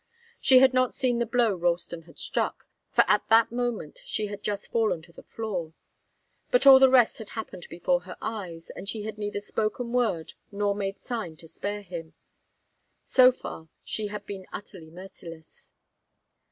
She had not seen the blow Ralston had struck, for at that moment she had just fallen to the floor. But all the rest had happened before her eyes, and she had neither spoken word nor made sign to spare him. So far, she had been utterly merciless.